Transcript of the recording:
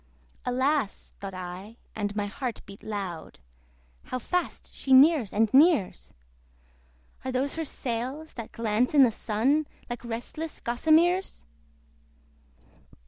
Alas! (thought I, and my heart beat loud) How fast she nears and nears! Are those her sails that glance in the Sun, Like restless gossameres!